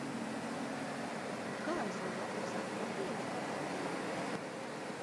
Kā es varu apmaksāt papildus pakalpojumus?